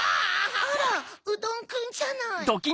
あらうどんくんじゃない。